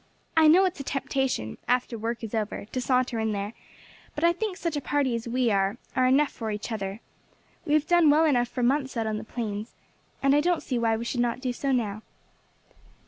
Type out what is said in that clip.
I know it's a temptation, after work is over, to saunter in there; but I think such a party as we are are enough for each other. We have done well enough for months out on the plains, and I don't see why we should not do so now.